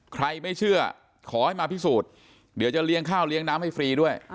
ใครไม่เชื่อขอให้มาพิสูจน์เดี๋ยวจะเลี้ยงข้าวเลี้ยงน้ำให้ฟรีด้วย